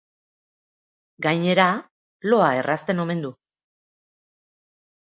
Gainera, loa errazten omen du.